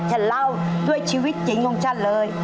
ฉันเล่าด้วยชีวิตจริงของฉันเลย